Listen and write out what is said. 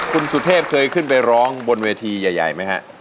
คุณสุเทพเคยขึ้นไปร้องบนเวทีใหญ่ไหมฮะ